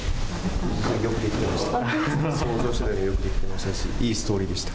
よく出来てました。